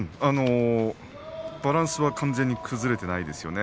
バランスは完全に崩れていないですよね